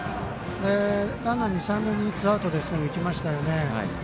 ランナー二、三塁にツーアウトでいきましたよね。